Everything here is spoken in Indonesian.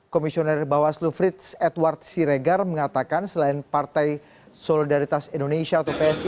komisioner bawaslu frits edward siregar mengatakan selain partai solidaritas indonesia atau psi